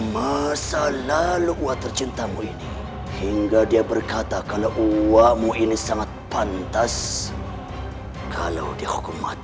masa lalu water cintamu ini hingga dia berkata kalau uangmu ini sangat pantas kalau dihukum mati